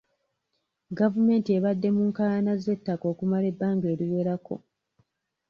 Gavumenti ebadde mu nkaayana z'ettaka okumala ebbanga eriwerako.